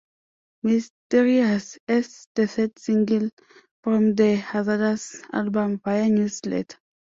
Mysterious" as the third single from the "Hazardous" album via newsletter.